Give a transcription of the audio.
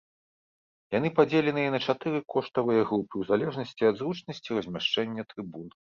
Яны падзеленыя на чатыры коштавыя групы ў залежнасці ад зручнасці размяшчэння трыбун.